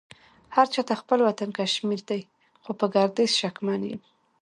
هرچا ته خپل وطن کشمير دې خو په ګرديز شکمن يم